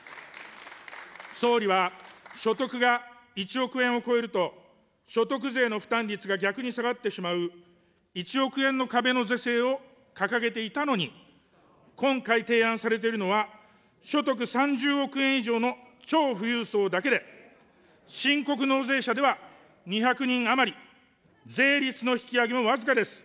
総理は所得が１億円を超えると、所得税の負担率が逆に下がってしまう、１億円の壁の是正を掲げていたのに、今回提案されているのは、所得３０億円以上の超富裕層だけで、申告納税者では２００人余り、税率の引き上げも僅かです。